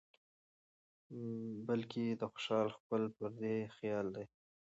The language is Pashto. بلکې د خوشال خپل فردي خيال دى